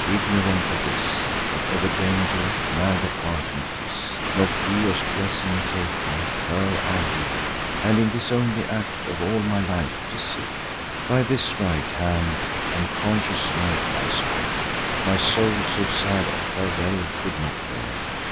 Ignorant of this (Whatever) danger, neither parting kiss, Nor pious blessing taken, her I leave, And in this only act of all my life deceive. By this right hand and conscious night I swear, My soul so sad a farewell could not bear.